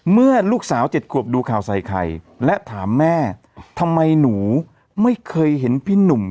เมื่อลูกสาว๗ขวบดูข่าวใส่ไข่และถามแม่ทำไมหนูไม่เคยเห็นพี่หนุ่ม